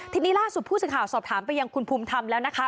ทีนี้ล่าสุดผู้สื่อข่าวสอบถามไปยังคุณภูมิธรรมแล้วนะคะ